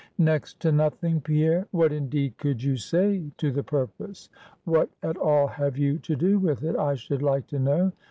"Next to nothing, Pierre! What indeed could you say to the purpose? what at all have you to do with it, I should like to know?